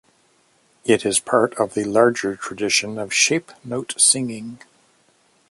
It is part of the larger tradition of shape note singing.